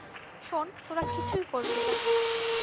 শোন, তোরা কিছুই করবি না।